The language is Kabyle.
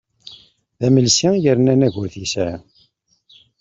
D amelsi yerna anagi ur t-yesɛi.